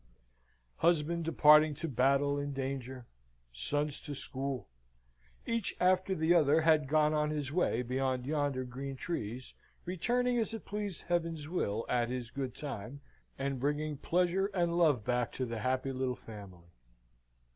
Husband departing to battle and danger, sons to school, each after the other had gone on his way behind yonder green trees, returning as it pleased Heaven's will at his good time, and bringing pleasure and love back to the happy little family.